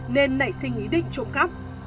nên nảy sinh ý định trộm cắp